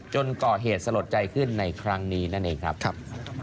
ก่อเหตุสลดใจขึ้นในครั้งนี้นั่นเองครับ